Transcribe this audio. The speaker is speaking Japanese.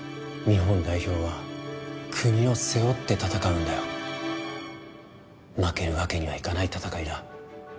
日本代表は国を背負って戦うんだよ負けるわけにはいかない戦いだ